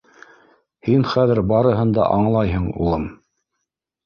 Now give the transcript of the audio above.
— Һин хәҙер барыһын да аңлайһың, улым.